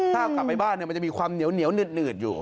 ถ้ากลับไปบ้านมันจะมีความเหนียวหนืดอยู่